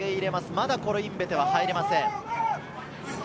まだコロインベテは入れません。